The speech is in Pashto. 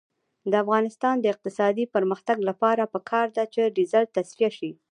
د افغانستان د اقتصادي پرمختګ لپاره پکار ده چې ډیزل تصفیه شي.